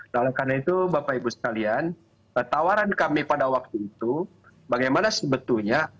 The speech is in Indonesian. nah oleh karena itu bapak ibu sekalian tawaran kami pada waktu itu bagaimana sebetulnya